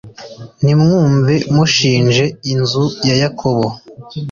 Nimwumve mushinje inzu ya Yakobo